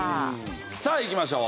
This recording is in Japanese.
さあいきましょう。